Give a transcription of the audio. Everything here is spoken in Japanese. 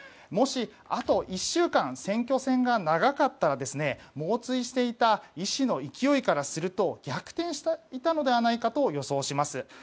もし、あと１週間選挙戦が長かったら猛追していたイ氏の勢いからすると逆転していたのではないかと予想します。